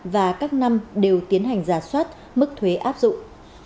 và các năm đều tiến hành giả soát mức thuế áp dụng